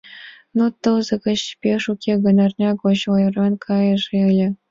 Ну тылзе гыч, пеш уке гын, арня гыч ойырлен кайыже ыле.